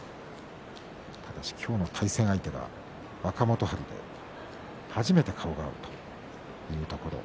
ただし今日の対戦相手は若元春で初めて顔が合うというところ。